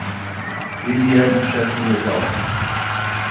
Ele era um chefe legal.